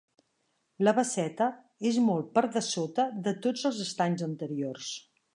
La Basseta és molt per dessota de tots els estanys anteriors.